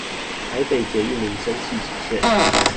台北捷運民生汐止線